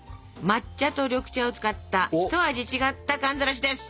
抹茶と緑茶を使った一味違った寒ざらしです！